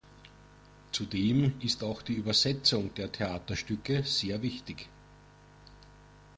Zudem ist auch die Übersetzung der Theaterstücke sehr wichtig.